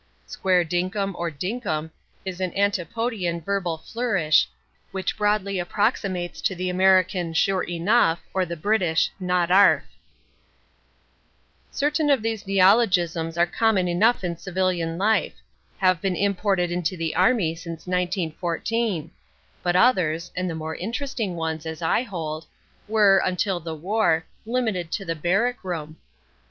("Square dinkum" or "dinkum" is an Antipodean verbal flourish, which broadly approximates to the American "Sure enough" or the English "Not 'arf.") Certain of these neologisms are common enough in civilian life have been imported into the army since 1914 but others (and the more interesting ones, as I hold) were, until the war, limited to the barrack room.